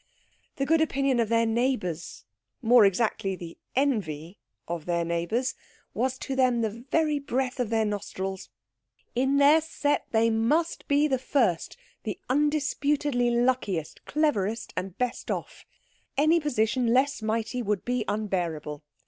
The good opinion of their neighbours more exactly, the envy of their neighbours was to them the very breath of their nostrils. In their set they must be the first, the undisputedly luckiest, cleverest, and best off. Any position less mighty would be unbearable.